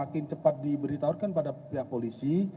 makin cepat diberitahukan pada pihak polisi